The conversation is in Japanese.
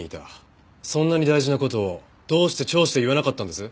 そんなに大事な事をどうして聴取で言わなかったんです？